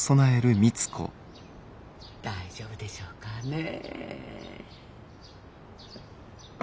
大丈夫でしょうかねえ。